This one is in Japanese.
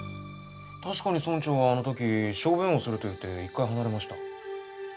確かに村長はあの時小便をすると言って一回離れました。